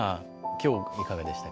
今日いかがでした？